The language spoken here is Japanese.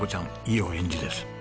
いいお返事です。